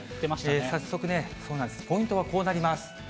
早速ね、ポイントはこうなります。